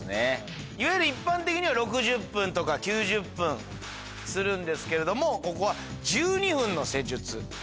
一般的には６０分とか９０分するんですけれどもここは１２分の施術。